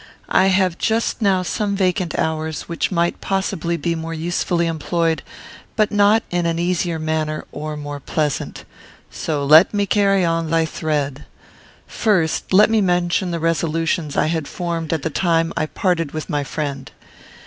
I have just now some vacant hours, which might possibly be more usefully employed, but not in an easier manner or more pleasant. So, let me carry on thy thread. First, let me mention the resolutions I had formed at the time I parted with my friend.